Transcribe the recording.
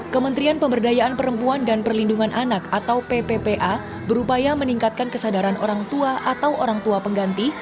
kementerian pemberdayaan perempuan dan perlindungan anak atau pppa berupaya meningkatkan kesadaran orang tua atau orang tua pengganti